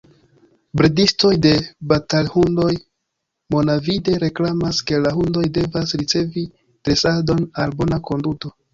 Bredistoj de batalhundoj monavide reklamas, ke la hundoj devas ricevi dresadon al bona konduto.